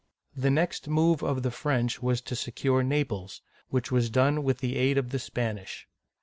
The next move of the French was to secure Naples, which was done with the aid of the Spanish.